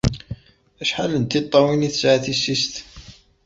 Acḥal n tiṭṭawin ay tesɛa tissist?